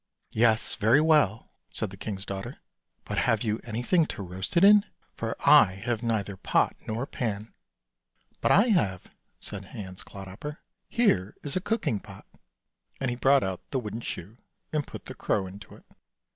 " Yes, very well," said the king's daughter: " but have you anything to roast it in? For I have neither pot nor pan." " But I have," said Hans Clodhopper. " Here is a cooking pot." And he brought out the wooden shoe and put the crow into it.